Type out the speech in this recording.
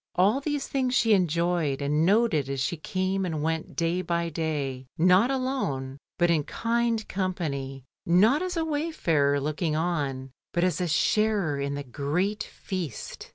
All these things she enjoyed and noted as she came and went day by day, not alone, but in kind company, not as a wayfarer looking on, but as a sharer in the great feast.